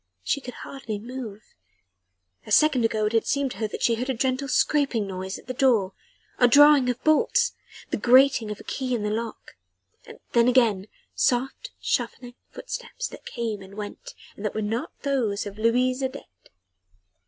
She could hardly move. A second or two ago it had seemed to her that she heard a gentle scraping noise at the door a drawing of bolts the grating of a key in the lock then again, soft, shuffling footsteps that came and went and that were not those of Louise Adet.